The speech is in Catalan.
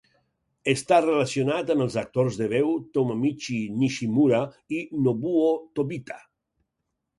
Està relacionat amb els actors de veu Tomomichi Nishimura i Nobuo Tobita.